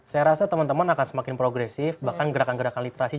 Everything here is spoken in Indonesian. saya rasa teman teman akan semakin progresif bahkan gerakan kebolehan akan jauh lebih cepat